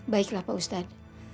baiklah pak ustaz